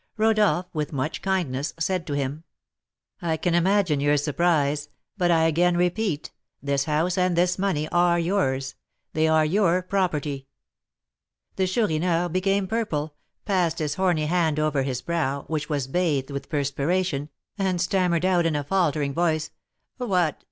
Rodolph, with much kindness, said to him: "I can imagine your surprise; but I again repeat, this house and this money are yours, they are your property." The Chourineur became purple, passed his horny hand over his brow, which was bathed with perspiration, and stammered out, in a faltering voice: "What!